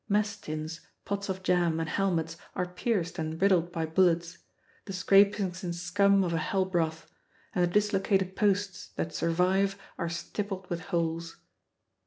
Mess tins, pots of jam, and helmets are pierced and riddled by bullets the scrapings and scum of a hell broth; and the dislocated posts that survive are stippled with holes.